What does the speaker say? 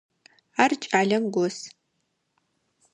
Ар кӏалэм гос.